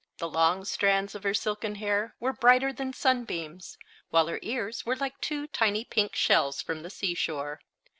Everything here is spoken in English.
The long strands of her silken hair were brighter than sunbeams, while her ears were like two tiny pink shells from the seashore.